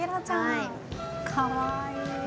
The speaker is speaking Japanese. かわいい。